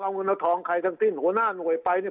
เอาเงินเอาทองใครทั้งสิ้นหัวหน้าหน่วยไปเนี่ย